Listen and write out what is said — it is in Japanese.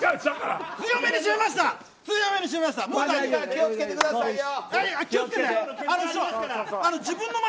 気を付けてくださいよ。